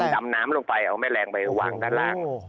ดำน้ำลงไปเอาแม่แรงไปวางด้านล่าง